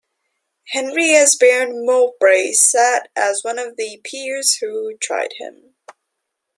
Henry as Baron Mowbray sat as one of the peers who tried him.